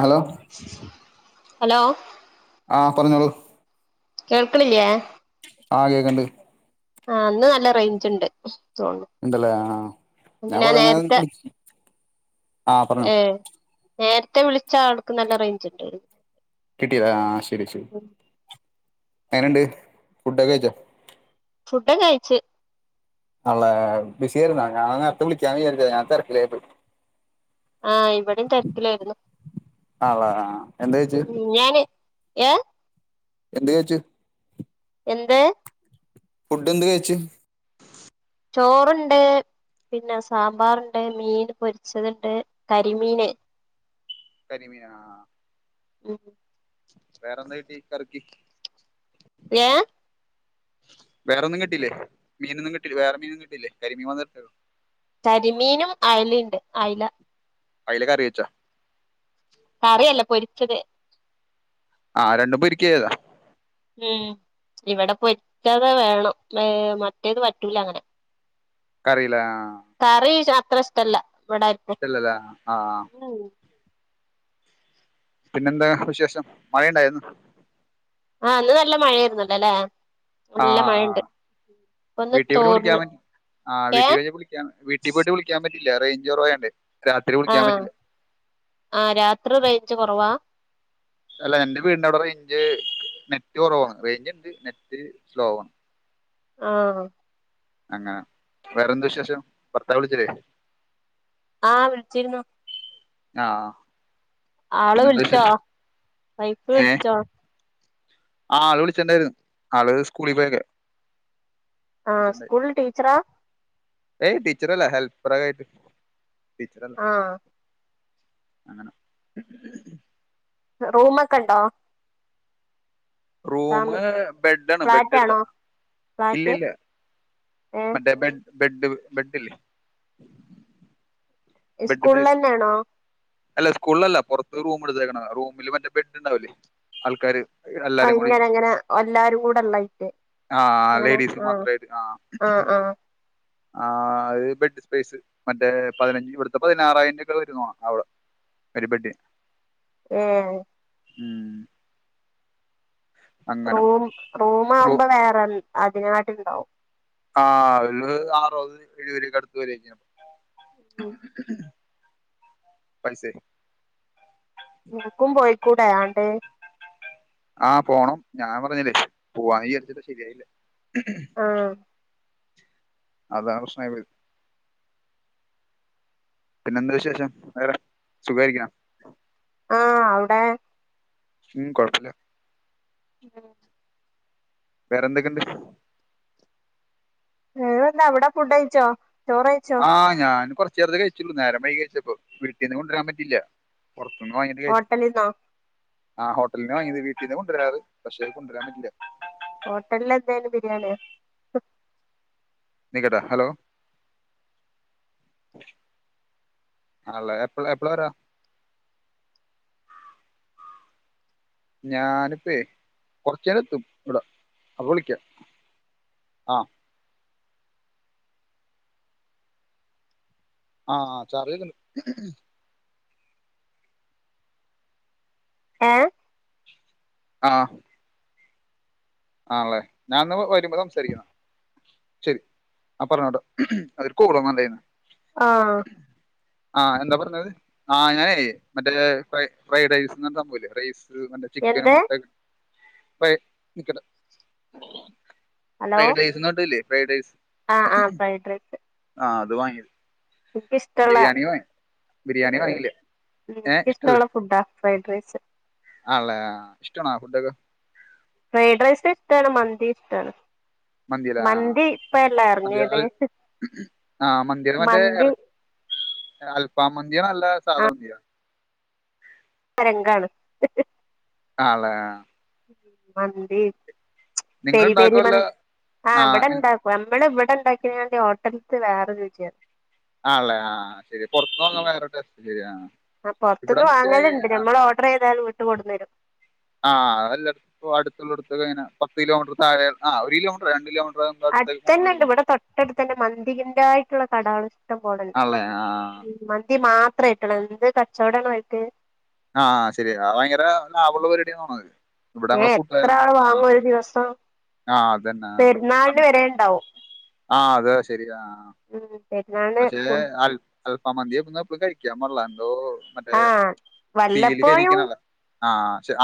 Hello. Hello ആഹ് പറഞ്ഞോളൂ. കേൾക്കണില്ലേ? ആഹ് കേക്കണ്ട്. ആഹ് ഇന്ന് നല്ല റേഞ്ച്ണ്ട്. തോന്നണു. ഇണ്ട്ല്ലേ. ആഹ്ഹാ ഞാൻ കൊറേ നേരം വിളിച്ചു ആഹ് പറഞ്ഞോ. ഏ നേരത്തെ വിളിച്ച ആൾക്ക് നല്ല റേഞ്ചിണ്ട്. കിട്ടിയോ? ആഹ് ശരി ശരി. എങ്ങനെണ്ട് ഫുഡൊക്കെ കഴിച്ചോ? ഫുഡ് കയിച്ച്. ആൺള്ളേ. ബിസി ആയിരുന്നാ ഞാൻ നേരത്തെ വിളിക്കാന്നാ വിചാരിച്ചേ. ഞാൻ തിരക്കിലായിപ്പോയി. ആഹ് ഇവിടെയും തിരക്കിലായിരുന്നു. ആണല്ലേ ആ എന്ത് കഴിച്ച് ഉം ഞാന് ഏഹ്? എന്ത് കഴിച്ചു. എന്ത്? ഫുഡെന്ത് കഴിച്ചു? ചോറുണ്ട്. പിന്നെ സാമ്പാറ്ണ്ട്. മീൻ പൊരിച്ചത്ണ്ട്. കരിമീന്. കരിമീനാ ആഹ് ഉം വേറെന്താ കിട്ടി കറിക്ക്? ഏഹ്? വേറൊന്നും കിട്ടിയില്ലെ? മീനൊന്നും കിട്ടിയില്ലെ? വേറെ മീനൊന്നും കിട്ടിയില്ലെ? കരിമീൻ മാത്രാ കിട്ടിയൊള്ളു? കരിമീനും അയലേണ്ട്. അയല. അയല കറിവെച്ചാ? കറിയല്ല. പൊരിച്ചത്. ആഹ് രണ്ടും പൊരിക്കാ ചെയ്തേ? ഉം ഇവിടെ പൊരിച്ചത് വേണം. മേ മറ്റേത് പറ്റൂല അങ്ങനെ. കറീല്ലെ ആഹ് കറി അത്ര ഇഷ്ടല്ല. ഇവിടെ ആർക്കും ഇഷ്ടല്ലല്ല. ആ ആഹ് ഉം പിന്നെന്താ വിശേഷം? മഴ ഇണ്ടായാ ഇന്ന്? ആഹ് ഇന്ന് നല്ല മഴയായിരുന്നല്ലെ അല്ലേ? നല്ല മഴേണ്ട്. വീട്ടിപോയിട്ട് വിളിക്കാമേ. ആഹ് ഏ വീട്ടി വിളിക്കാ വീട്ടി പോയിട്ട് വിളി ക്കാൻ പറ്റില്ല റേഞ്ചൊറവായോണ്ടെ ആഹ് ആഹ് രാത്രി റേഞ്ച് കൊറവാ അല്ല എന്റെ വീടിന്റവടെ റേഞ്ച് നെറ്റ് കൊറവാ റേഞ്ചിണ്ട് നെറ്റ് സ്ലോവാ ആഹ് അങ്ങനെ വേറെന്ത വിശേഷം ഭർത്താവ് വിളിച്ചില്ലേ ആഹ് വിളിച്ചിരുന്നു ആഹ് ആള് വിളിച്ചോ വൈഫ് വിളിച്ചോ ആഹ് ആള് വിളിച്ചിട്ടണ്ടാര്ന്ന് ആള് സ്കൂളിൽ പോയെക്ക ആഹ് സ്കൂള് ടീച്ചറ ഏയ് ടീച്ചറല്ല ഹെൽപ്പറക്കാട്ട് ടീച്ചറല്ല ആഹ് അങ്ങന റൂമക്കണ്ടോ റൂമ് ഫാമ് ബെഡണ് ഫ്ലാറ്റ് ബെഡ് ആണോ എടുത്തണം ഫ്ലാറ്റ് ഇല്ലല്ല ഏഹ് മറ്റേ ബെഡ് ബെഡ് ബെഡില്ലെ ബെഡ് സ്കൂളിൽ പേസ് തന്നെയാണോ അല്ല ഉസ്കൂള്ളല്ല പൊറത്ത് റൂം എടുത്തേക്കണ റൂമില് മറ്റെ ബെഡിണ്ടാവില്ലേ ആൾക്കാര് എല്ലാരും അയ് കൂടി ഇങ്ങനെ അങ്ങനെ എല്ലാരും കൂടെ ഇള്ളായിട്ട് ആഹ് ലേഡീസ് മാത്രായിട്ട് ആഹ് ആഹ് അത് ബെഡ് സ്പേസ് മറ്റേ പതിനഞ്ച് ഇവിടുത്തെ പതിനാറായിരന്റൊക്കെ വരുനോണെ അവടെ ഒരു ബെഡിന് ഏഹ് ഉം അങ്ങനെ റൂം റൂ റൂമാവമ്പ വേറെ അതിനാട്ടിണ്ടാവും ആഹ് ഒരു ആറോത് എഴുപരൂക്കെ അടുത്ത് വരുവാരിക്കും ഉം പൈസേ നിനക്കും പൊയ്ക്കൂടെ ആണ്ട് ആഹ് പോണം ഞാൻ പറഞ്ഞില്ലെ പൂവാന്ന് വിചാരിച്ചിട്ട ശരിയായില്ല ആഹ് അതാ പ്രശ്നായി പോയെ പിന്നെന്താ വിശേഷം വേറെ സുഖാരിക്കണ ആഹ് അവ്ടെ ഉം കൊഴപ്പില്ല ഉം വേറെന്തൊക്കിണ്ട് വേറെന്താ അവിടെ ഫുഡ്ഡഴിച്ചോ ആഹ് ഞാന് കൊറച്ചേരത്തെ കഴിച്ചുള്ളു നേരം വയ്കിയ കഴിച്ചിപ്പം വീട്ടിന്ന് കൊണ്ടുരാൻ പറ്റില്ല പൊറത്ത്ന്ന് വാങ്ങിട്ട് കഴിച്ചു ഹോട്ടലിന്നോ ആഹ് ഹോട്ടലിന്ന വാങ്ങീത് വീട്ടീന്ന് കൊണ്ടുരാറ് പക്ഷെ കൊണ്ടരാൻ പറ്റില്ല ഹോട്ടലിൽ എന്തേനു ബിരിയാണിയ നിക്ക്ട്ടാ ഹലോ അള്ള എപ്പള എപ്പളരാ ഞാനിപ്പേ കൊറച്ചേര എത്തും ഇവട അപ്പ വിളിക്ക ആഹ് ചാർജിക്കണ്ട് ഏഹ് ആഹ് ആണളേ ഞാനന്ന വരുമ്പ സംസാരിക്കാന്ന ശരി ആഹ് പറഞ്ഞോട്ടൊ അയൊരു കോള് വന്നുണ്ടാര്ന്ന് ആഹ് ആഹ് എന്താ പറഞ്ഞത്? ആഹ് ഞാനേയ് മറ്റേ ഫ ഫ്രൈഡ് റൈസ് പറഞ്ഞ സംഭവല്ലേ റൈസ്. [unintelligible] ചിക്കനും എന്ത് മുട്ടയും ഒക്കെട്ട് [unintelligible] ഫ്രൈഡ് റൈസ്ന്ന് പറഞ്ഞിട്ടില്ലേ ഫ്രൈഡ് റൈസ്. ആഹ് ആഹ് ഫ്രൈഡ് റൈസ്. ആഹ് അത് വാങ്ങി ഇക്കിഷ്ടള്ള. ബിരിയാണി ബിരിയാണി ഏഹ് വാങ്ങിയില്ല ഏഹ് എനിക്കിഷ്ടള്ള ഫുഡാ ഫ്രൈഡ് റൈസ്. ആണല്ലെ? ഇഷ്ടാണോ ഫുഡൊക്കെ? ഫ്രൈഡ് റൈസ് ഇഷ്ടാണ് മന്തി ഇഷ്ടാണ്. മന്തിലേ ആഹ് മന്തി ഇപ്പല്ല മന്തി ഇറങ്ങിയത് അൽ ആ മന്തി മറ്റേ എർ അൽഫാ മന്തിയാ അല്ല അതാ സാധാ മന്തിയാ? തരംഗാണ്. ആണല്ലെ? മന്തി നിങ്ങൾ പെരി പെരി ഉണ്ടാക്കുമല്ലോ മന്തി ആ ആഹ് ഉവിടെണ്ടാ ക്കും നമ്മള് ഇവിടെ ഉണ്ടാക്കിങ്ങാണ്ട് ഹോട്ടലിത്തെ വേറെ രുചിയാണ്. ആണല്ലെ ആ ശരി പൊറത്ത്ന്ന് വാങ്ങുമ്പോൾ വെറൊരു ടേസ്റ്റ് ശെരിയാ ആ പുറത്ത്ന്ന് വാങ്ങലുണ്ട് നമ്മള് ഓർഡർ ചെയ്താല് വീട്ട് കൊണ്ടു വരും. ആഹ് അതല്ല അട്ത്ത് ഇപ്പ അടുത്തുള്ളടുത്തത്ത് അനെ പത്ത് കിലോമീറ്റർ താഴെ ആ ഒരു കിലോമീറ്റർ രണ്ട് കിലോമീറ്റർ. അടുത്തേക്ക് കൊണ്ടു അടുത്തെന്നെ ഉണ്ട് കൊടുക്കും ഇവിടെ തൊട്ടടുത്ത് തന്നെ മന്തിന്റ തായിട്ടുള്ള കടാള് ഇഷ്ടം പോലണ്ട് ആണല്ലേ ആ മന്തി മാത്രം ആയിട്ടുള്ള എന്ത്‌ കച്ചവടാണോൽക്ക് ആഹ് ശരിയാ അത് ഭയങ്കര ലാഭള്ള പരിപാടിയ തോന്ന്ണത്. ഇവിടെ ഏ നമ്മളെ എത്ര കൂട്ടുകാരൻ ആള് ആ വാങ്ങും ഒരു ദിവസം ആഹ് അതന്നെ പെരുന്നാളിന് ആഹ് വരെ ഉണ്ടാവും [unintelligible] ആഹ് അതെ ശരിയാ. പെരുന്നാൾ. പക്ഷെ അൽഫാ മന്തി എപ്പളും കഴിക്കാൻ പാടില്ല എന്തോ? മറ്റേ ആഹ് തീയിൽ വല്ലപ്പോഴും കരീക്ക്ണതല്ലേ ആ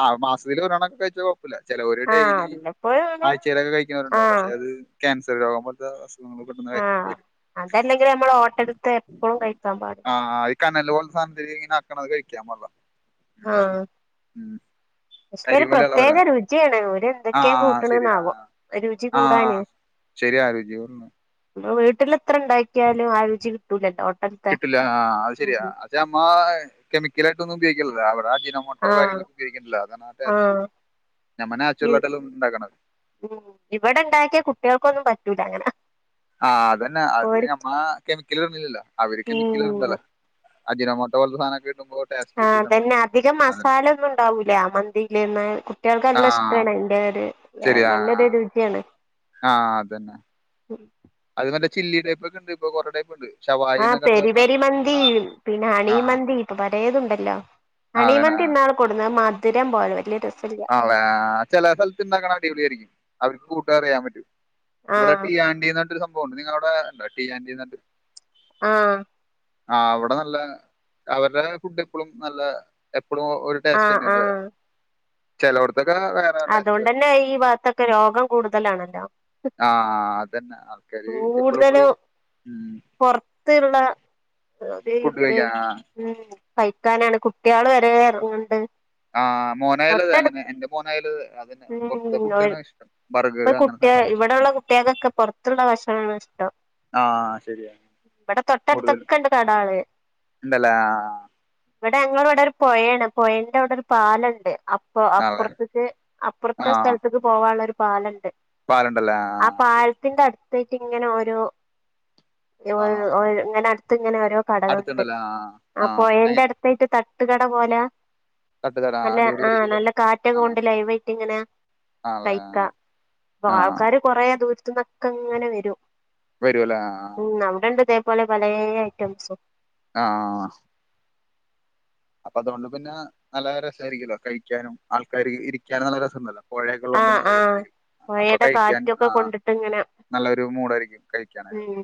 ആ മാസത്തിൽ ഒരു തവണൊക്കെ കഴിച്ച. കൊഴപ്പില്ല ചിലര് ആഹ് ഡെയിലി വല്ലപ്പോഴും ആണ് ആഴ്ചയിലൊക്കെ കഴിക്കുന്നവരുണ്ടാവും പക്ഷെ ആഹ് അത്. ക്യാൻസർ രോഗം പോലത്തെ അസുഖങ്ങൾ പെട്ടെന്ന് [unintelligible] അതല്ലെങ്കിലും നമ്മൾ ഹോട്ടൽത്തെ എപ്പളും കഴിക്കാൻ പാടില്ല. ആ ഈ കനല് പോലെ സാധനത്തില് ഇങ്ങനെ ആക്കണത് കഴിക്കാൻ പാടില്ല [unintelligible] പക്ഷേ കരി ഒരു പോലെ ഉള്ളവരാ പ്രത്യേക രുചിയാണ് ഓര് എന്തൊക്കെയാണ് ആഹ് കൂട്ട്ണ ശരിയാ ആവോ? രുചി കൂടാന്. ആഹ് ശരിയാ രുചി. വീട്ടിൽ എത്ര ഉണ്ടാക്കിയാലും ആ രുചി. കിട്ടുലട്ടോ ഹോട്ടൽ. കിട്ടുല്ല ആഹ് അത് ശരിയാ അത് നമ്മ കെമിക്കലായിട്ടൊന്നും ഉപയോഗിക്കിണിലല്ലോ അവിടെ അജിനാമോട്ടോ. മോട്ടോ ആഹ് കാര്യങ്ങളൊക്കെ ഉപയോഗിക്ക്ണ്ലെ അതാണ് ആ ടേസ്റ്റ് ആഹ് നമ്മൾ ഇ നാച്ചുറൽ ആയിട്ടലേ ഉണ്ടാക്ക്ണത്. ഉം ഇവിടെ ഉണ്ടാക്കിയ കുട്ടികൾക്കൊന്നും പറ്റൂല അങ്ങനെ. ആഹ് അതന്നെ അത് ഓര് ഞമ്മ കെമിക്കൽ ഇട്ടുന്നില്ലല്ലോ അവര് കെമിക്കല് ഉം ഇട്ണ്ടല്ലോ? അജിനോമോട്ടോ പോലത്തെ സാനൊക്കെ ഇടുമ്പൊ. ആഹ് അതന്നെ അധികം മസാല ഒന്നും ഉണ്ടാവൂല ആ മന്തിയിലെന്നെ കുട്ടികൾക്ക് ആ നല്ല ഇഷ്ടാണ് അതിന്റ ഒര്. വേ നല്ലൊരു രുചിയാണ്. ആഹ് അതന്നെ. അത് മറ്റേ ചില്ലി ടൈപ്പ് ഒക്കെണ്ട് ഇപ്പൊ കൊറേ ടൈപ്പ് ഉണ്ട്. ഷവായി ആഹ് എന്നൊക്കെ പറഞ്ഞ പെരി സാധനം പെരി ഉണ്ട്. മന്തി ആ പിന്നെ ഹണി ആ മന്തി ഇപ്പൊ പലേതുണ്ടല്ലോ? ആ, അതന്നെ ഹണിമന്തി ആ. ഇന്നാൾ കൊടുന്നത് മധുരം പോലെ വലിയ രസല്ല. ആണലേ ചെലേ സ്ഥലത്ത് ഇണ്ടാക്കണ അടിപൊളി ആയിരിക്കും അവർക്ക് കൂട്ടറിയാൻ പറ്റും. ഇവിടെ ആഹ് ടിയാന്റിന്ന് പറഞ്ഞിട്ടൊരു സംഭവണ്ട് നിങ്ങളെ അവിടെണ്ട ടിയാന്റിന്ന് പറഞ്ഞിട്ട്? ആഹ് ആഹ് അവിടെ നല്ല അവരുടെ ഫുഡ് എപ്പളും നല്ല എപ്പളും ഒരു. ആഹ് ആഹ് ചെലോട്ത്തൊക്കെ വെ അതോണ്ടന്നെ ഈ ഭാഗത്തൊക്കെ രോഗം കൂടുതലാണല്ലോ ആഹ് അതന്നെ അ കൂടുതലും പൊർത്തിള്ള അത് ഫുഡ് ഇത് കഴിക്കാൻ ആ ഉം കഴിക്കാനാണ് കുട്ട്യാള് വരെ എർങ്ങിണ്ട് ആഹ് മോനായാലും അതെ അങ്ങനെ എന്റെ മോനായാലും അതന്നെ പൊർത്തെ ഉം ഫുഡാണ് ഇഷ്ടം ബർഗർ അങ്ങൻത്തെ സാനങ്ങളാരിക്കും ഇഷ്ട കുട്ട്യാകൊക്കെ പൊർത് ന്നുള്ള ഭക്ഷണാണിഷ്ടം ആ ശരിയാ ഇവിടെ തൊട്ടട്ത്തൊക്കെണ്ട് കടാള് ഇണ്ടലേ ഇവടെ ഞങ്ങളവടെ ഒരു പൊയേണ് പൊയന്റടൊരു പാലണ്ട് അപ് ഇപ്പൊ ആ, ആളെ അപ്പൊർത്തിക്ക് അപ്പൊർത്തെ സ്ഥൽത്തിക്ക് പോവാള്ളൊരു പാലണ്ട് പാലണ്ടല്ലേ ആഹ ആഹാ തിന്റെ അട്ത്തായിറ്റ്ങ്ങനെ ഓരോ ആ ആ. ഇങ്ങനെ അട്ത്ത്ങ്ങനെ ഓരോ കടകൾണ്ട് അടുത്തുണ്ടല്ലേ ആ ആ പൊയന്റട്ത്തായിട്ട് തട്ടുകട പോല തട്ടുകട നല്ല അടിപൊളി ആഹ് ആയിരിക്കുമല്ലോ നല്ല കാറ്റകെ ആ കൊണ്ട് ലൈവായ്റ്റിങ്ങനെ ആണല്ലേ കഴിക്ക അപ്പൊ ആ ആൾക്കാര് കൊറേ ദൂരത്ത്ന്നൊക്കെങ്ങനെ വെരും വെരൊലേ ആഹ് ഉം അവിടെ ഉണ്ട് ഇതേപോലെ പലേ ഐറ്റംസും അഹ ആഹ ആഹാ അപ്പതോണ്ട് പിന്നെ നല്ല രസായിരികുല്ലോ കഴിക്കാനും ആൾക്കാര് ഇരിക്കാനും നല്ല രസണ്ടല്ലോ പൊഴേക്കെള്ളോണ്ട് നല്ല രസായിരിക്കും പൊയേടെ കാറ്റൊക്കെ കൊണ്ടിട്ട്ങ്ങനെ നല്ലൊരു മൂടായിരിക്കും ഉം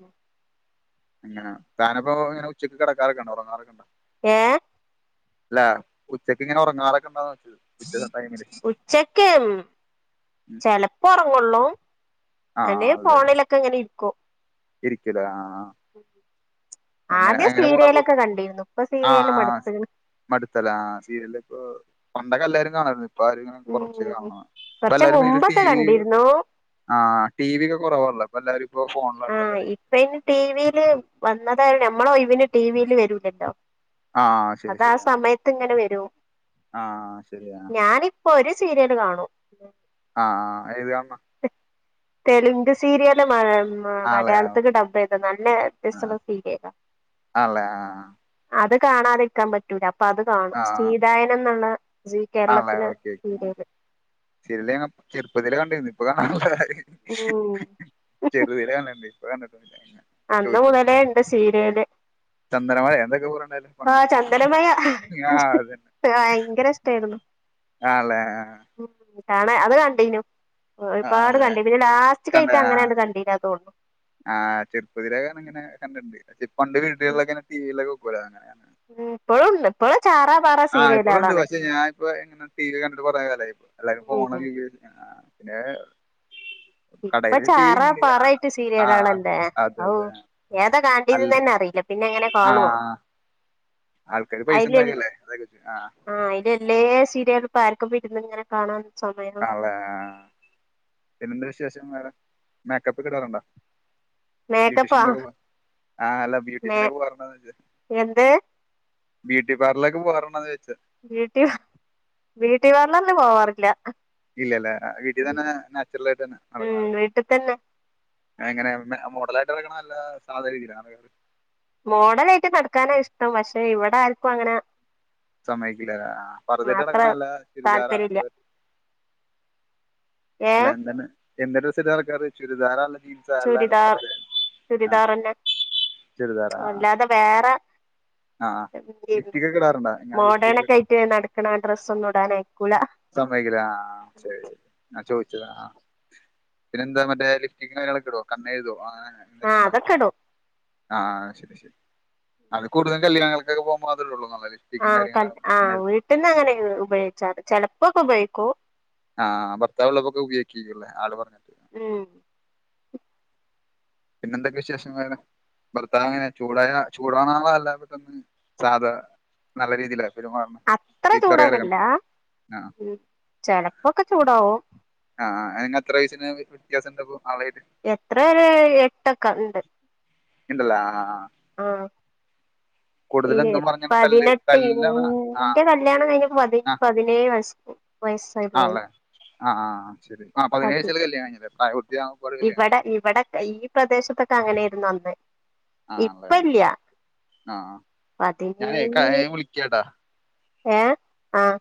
ഇങ്ങനെ താനപ്പോ ഇങ്ങനെ ഉച്ചക്ക് കിടക്കാറൊക്കെയുണ്ടോ ഉറങ്ങാറൊക്കെയുണ്ടോ? ഏഹ് അല്ല ഉച്ചക്ക്ങ്ങനെ ഒറങ്ങാറൊക്കെണ്ടോന് ഉച്ചക് ഉം. ചെലപ്പോ ഒറങ്ങൊള്ളൂ ആ ഏണ്ടേ ഫോണിലൊക്കെങ്ങനെ ഇര്ക്കും ഇര്ക്ക്യുലേ ആഹ് ആഹ ആദ്യം പോണപ്പൊ സീരിയലൊക്കെ കണ്ടിര്ന്നു ഇപ്പ സീരിയല് മടുത്തീണ് മടുത്തലെ ആഹ് സീരിയല്പ്പോ പണ്ടൊക്കെ എല്ലാരും കാണാര്ന്നു ഇപ്പാരുംങ്ങനെ കൊറച്ച് ഉം കാണാനാത്ത കൊറച്ച് ഇപ്പല്ലാരും വീട്ടില് ടി മുമ്പൊക്കെ വി കണ്ടിരുന്നു ആഹ് ടി വി ഒക്കെ കുറവാല്ലോ പ്പെല്ലാരുംപ്പോ ഫോ ആഹ് ഇപ്പയ്ന് ടിവില് വന്നതായ നമ്മളെ ഒയ് വിന് ടിവിൽ വെരൂലല്ലോ ആ ശരി അതാ ശരി സമയത്ത്ങ്ങനെ വെരും ആ ശരിയാ ഞാനി പ്പൊ ഒരു സീരിയല് കാണും ആഹ് ആഹ് അതേത് കാണെ? തെലുങ്ക് സീരിയല് മഴം ആഹ് ആണല്ലേ മലയാളത്തിക്ക് ഓക്കെ ഡബയ്ത നല്ല ആ രസള്ള സീരിയല ആണല്ലേ ആ അത് കാണാതിരിക്കാൻ പറ്റൂല അപ്പൊ അത് കാണും ആ സീതായനംന്ന്ള്ള സീ ആണല്ലേ കേരളത്തിലെ ഓക്കെ ഓക്കെ സീരിയല് സീരിയല് ഞങ്ങ ചെറുപ്പത്തില് കണ്ടിരുന്ന് ഇപ്പൊ കാണാറില്ല ഉം ചെറുതിലെ കണ്ടിട്ടുണ്ട് ഇപ്പ കണ്ടിട്ടൊന്നൂല്യ പിന്നെ അന്ന് മുതലേണ്ട് സീരിയല് ചന്ദനമയെ എന്തൊക്കെകൊറെണ്ടായ്ര്ന്ന് ആഹ് ചന്ദനമഴ ഭയങ്കര ഇഷ്ടായിരുന്നു ആല്ലേ ആഹ് മ് ഇഷ്ട്ടാണ് അത് കണ്ടീനു ഒരുപാട് ആല്ലേ കണ്ടീന് പിനെ ലാസ്റ്റ് കയിട്ട് അങ്ങനെയാണ് കണ്ടീല തോന്നുന്നു ആഹ് ചെുപ്പതി ഇങ്ങനെ കണ്ടിണ്ട് ഇതി പ്പണ്ട് വീട്ടങ്ങനെ ടി വിയിലക്കെ വെക്കോലോ അങ്ങനെയ ഉം പ്പളുണ്ട് ഇപ്പോൾ ചാറാപാറ ആഹ്പ്പഴുണ്ട് പക്ഷെ ഞാനിപ്പ ഇങ്ങനെ ടി വി കണ്ടി ട്ട് കുറെ കല ഇപ്പൊ എല്ലാരും ഫോൺ ഉം ഏ ഇപ്പൊ ചാറാ പാറായിട്ട് ആ സീരിയലാളല്ലേ അതെ ഔ അതെ ഏതാ അല്ല കണണ്ടീന്ന ന്നെ അറിയില്ല പിന്നെ എങ്ങനെ കാണോ ആൾക്കാാര് പൈസ ഉണ്ടകല്ലേ അതു ആ ല്ലേ സീരിയൽ ഇപ്പ ആർക്കും വരുന്ന ങ്ങനെ കാണാൻ സമയം ആല്ലേ പിന്നെന്ത്‌ വിശേഷം വേറെ മേക്കപ്പ് കിടാറുണ്ടോ മേക്കപ്പാ ആഹ് അല്ല മേ ബ്യൂട്ടീഷ്യൻ ഒക്കെ പോവാറുണ്ടോന്നോയിച്ചേ എന്ത് ബ്യൂട്ടി പാർലേക്ക് പോവാറുണ്ടോന്നോയ്ച്ചേ ബീട്ട ബീട്ടി പാർലൊ ന്നും പോവാറില്ല ഇല്ലല്ല വീട്ടിൽ തന്നെ നാച്ചുറൽ ആയിട്ട് തന്നെ നടക്കണ ഉം വീട്ടിൽ തന്നെ എങ്ങനെ മോഡല ആയിട്ട് ഇറങ്ങ ണ നല്ല സാദാ യിലാ ആളുകള് മോഡലയിട്ട് നടക്കാനാ ഇഷ്ടം പക്ഷെ ഇവിടെ ആർക്കും അങ്ങനെ സമ്മയ്ക്കില്ലല്ലേ ആഹ് പറുദയിട്ട് അത്ര നടക്കുന്ന നല്ല ചുരിദാരാ താല്പര്യം എന്ത ഇല്ല ഏ അല്ല എന്താണ് എന്തഡ്രസ്സിട്ട് നട ക്കാർ ചുരിദാറാല്ണ് ൻസ ല്ലന ചുരിദാർ പർതെ ആഹ് ചിരിദാര അത വേറെ ലിപ്സ്റ്റിക് ഒക്കെ ഇടാറുണ്ടോ? ഇങ്ങനെ മോഡേൺ ലിപ്സ്റ്റിക് ഒക്കെ ആയിട്ട് നടക്കണ ഡ്രസ്സ ഒന്നുംടാനയിക്കൂല സമയക്കില്ല ആഹ് ശരി ശരി ഞാൻ ചോദിച്ചത ആ പിന്നെ എന്താ മറ്റേ ലിഫ്റ്റിക്ക് ളൊക്കെ ഇടോ കണ്ണേ ഴുതോ അങ്ങന എന്തൊക്കെ ആഹ് ണ്ടോ അതൊക്കെ ഇടും ആഹ് ശരി ശരി അത് കൂടുതൽ കല്യാണങ്ങൾക്കൊക്കെ പോകുമ്പോ മാത്രേ ഇടുള്ളൂ ല്ലേ ആഹ് ക ആഹ് വീട്ടിൽന്ന് അങ്ങനെ ഉപയോഗിച്ചാറ് ചെലപ്പോൊക്കെ ഉപയോഗിക്കൂ ആഹ് ഭർത്താവവിള്ളപ്പൊക്കെ ഉപയോഗിക്കുള്ളേ ആള് പറഞ്ഞു ഉം പിന്നെ എന്തൊക്കെ വിശേഷ ഭർത്താവ് ങ്ങനെ ചൂടായ ചൂടോണാളാ അല്ല പെട്ട സാധാ നല്ല രീതിയില അത്ര ചൂടാന ല്ല ചെലപ്പൊക്കെ ചൂടാവും ആഹ് എത്ര വയസിന് വ്യത്യാസം ഉണ്ട ആളയില് എട്രെ എട്ടൊക്കെ ഉണ്ട് ണ്ട് ല്ല ആഹ് ആഹ് ഇ കൂടുതലെന്തും പറഞ്ഞാണ് തല്ല് തല്ലാണ് ആഹ് പതിനെട്ടന്റെ ക ണം ക പ പതിനേഴ വയസ് വയസ്സ് ആണല്ലെ ആഹ് ആഹ് ശരി ആഹ് അതെ പതിനാഴ്ചല് കല്യാണകഴി ച്ചല്ലേ ഇപ്പരും ഇവിടെ ഇവിടെ ഈ പ്രദേശത്തൊക്കെ അങ്ങനൊയിരുന്നു അന്ന് ആഹല്ലേ ഇപ്പ ഇല്ല ആഹ് ഞാനേ വിളിക്കാട്ടാ ഏ ആഹ്